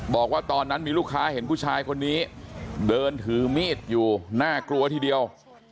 บอกว่าตอนนั้นมีลูกค้าเห็นผู้ชายคนนี้เดินถือมีดอยู่น่ากลัวทีเดียว